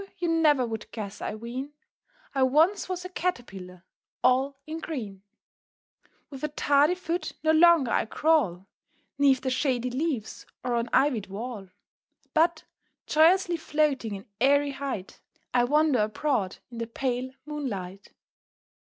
you never would guess, I ween, I once was a Caterpillar all in green. With a tardy foot no longer I crawl 'Neath the shady leaves, or on ivied wall; But, joyously floating in airy height, I wander abroad in the pale moonlight; [Illustration: "_I wander abroad in the pale moonlight.